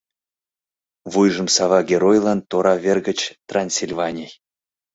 Вуйжым сава Геройлан тора вер гыч — Трансильваний.